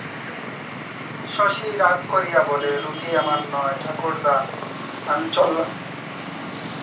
শশী রাগ করিয়া বলে, রোগী আমার নয় ঠাকুরদা, আমি চললাম।